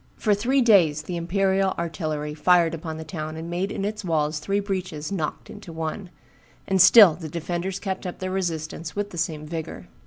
For three days the imperial artillery fired upon the town and made in its walls three breaches "knocked into one;" and still the defenders kept up their resistance with the same vigor.